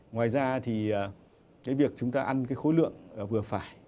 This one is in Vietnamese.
ngoài ra thì cái việc chúng ta ăn cái khối lượng vừa phải